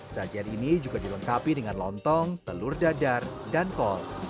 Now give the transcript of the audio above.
sajian ini juga dilengkapi dengan lontong telur dadar dan kol